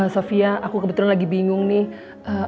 sofia aku kebetulan lagi bingung nih